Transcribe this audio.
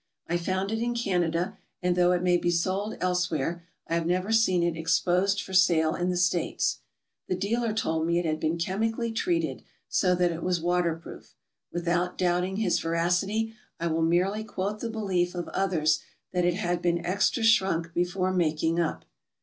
I found it in Canada, and though it may be sold elsewhere, I have never seen it exposed for sale in the States. The dealer told me it had been chemically treated so that it was waterproof; without doubting his veracity, I will merely quote the belief of others that it had been extra shrunk before making up.